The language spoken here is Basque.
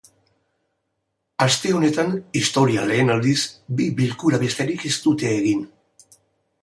Aste honetan, historian lehen aldiz, bi bilkura besterik ez dute egin.